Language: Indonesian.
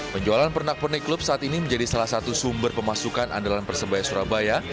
penjualan pernak pernik klub saat ini menjadi salah satu sumber pemasukan andalan persebaya surabaya